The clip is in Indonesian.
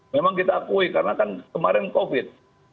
memang kita akui karena kan kemarin covid